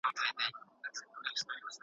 که بزګر زیار وباسي نو فصل نه خرابیږي.